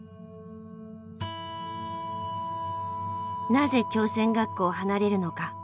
なぜ朝鮮学校を離れるのか。